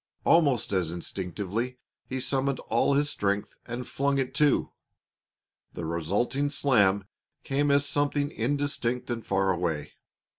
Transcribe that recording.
Almost as instinctively he summoned all his strength and flung it to. The resulting slam came as something indistinct and far away.